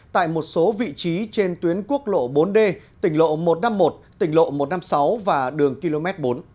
tại một số vị trí trên tuyến quốc lộ bốn d tỉnh lộ một trăm năm mươi một tỉnh lộ một trăm năm mươi sáu và đường km bốn